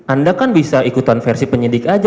anda kan bisa ikutan versi penyidik aja